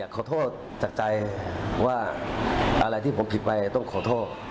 ขอโทษจากใจว่าอะไรที่ผมผิดไปต้องขอโทษ